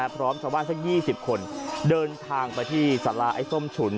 พร้อมชาวบ้านสัก๒๐คนเดินทางไปที่สาราไอ้ส้มฉุน